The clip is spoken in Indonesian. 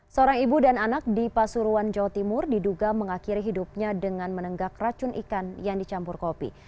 seorang ibu dan anak di pasuruan jawa timur diduga mengakhiri hidupnya dengan menenggak racun ikan yang dicampur kopi